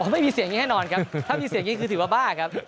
ไม่มีเสียงยิ้งแค่นอนครับถ้ามีเสียงยิ้งคือถือว่าบ้าครับ